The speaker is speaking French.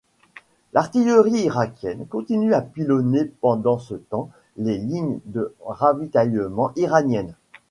L'artillerie irakienne continue de pilonner pendant ce temps les lignes de ravitaillement iraniennes.